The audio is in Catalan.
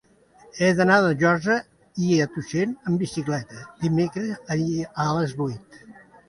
He d'anar a Josa i Tuixén amb bicicleta dimecres a les vuit.